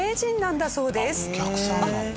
お客さんなんだ。